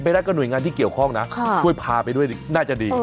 ได้ก็หน่วยงานที่เกี่ยวข้องนะช่วยพาไปด้วยน่าจะดี